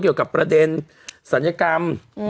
เกี่ยวกับประเด็นศัลยกรรม